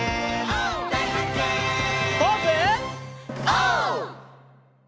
オー！